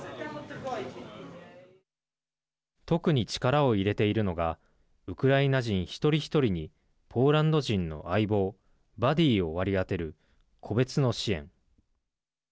特に力を入れているのがウクライナ人、一人一人にポーランド人の相棒＝バディーを割り当てる個別の支援。